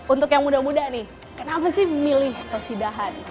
untuk yang muda muda nih kenapa sih memilih kasidahan